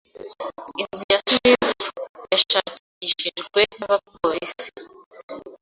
Inzu ya Smith yashakishijwe n’abapolisi.